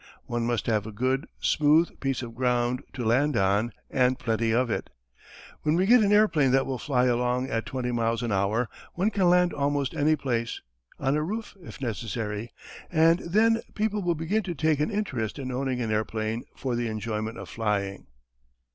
One must have a good, smooth piece of ground to land on and plenty of it. When we get an airplane that will fly along at twenty miles an hour, one can land almost any place, on a roof, if necessary, and then people will begin to take an interest in owning an airplane for the enjoyment of flying."